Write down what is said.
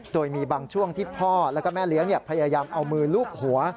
โดยมีบางช่วงที่พ่อแล้วก็แม่เลี้ยงพยายามเอามือลูบหัว